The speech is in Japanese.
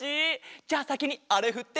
じゃあさきにあれふって！